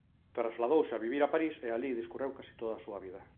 Trasladouse a vivir a París e alí discorreu case toda a súa vida.